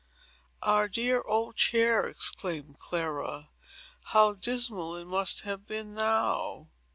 "Our dear old chair!" exclaimed Clara. "How dismal it must have been now!"